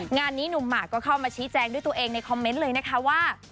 งานนี้หนุ่มหมากก็เข้ามาชี้แจงด้วยตัวเองในคอมเมนต์เลยนะคะว่า